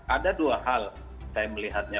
ada dua hal saya melihatnya